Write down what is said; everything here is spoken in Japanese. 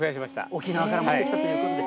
沖縄から持ってきたということで。